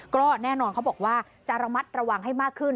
ก็แน่นอนเขาบอกว่าจะระมัดระวังให้มากขึ้น